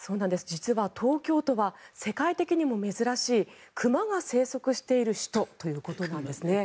実は東京都は世界的にも珍しい熊が生息している首都ということなんです。